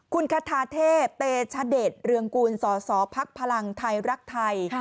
คุณคาทาเทพเตชเดชเรืองกูลสอสอภักดิ์พลังไทยรักไทย